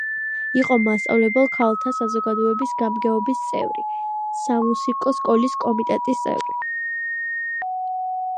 იყო მასწავლებელ ქალთა საზოგადოების გამგეობის წევრი, სამუსიკო სკოლის კომიტეტის წევრი.